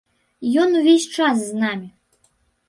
Ён увесь час з намі.